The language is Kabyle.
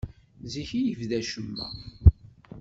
Zik i yebda ccemma.